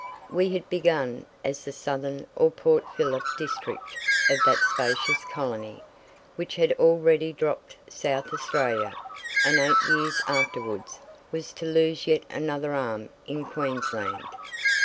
We had begun as the Southern or Port Phillip District of that spacious colony, which had already dropped South Australia, and eight years afterwards was to lose yet another arm in Queensland.